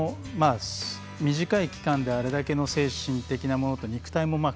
短い期間であれだけの精神的なものと肉体も。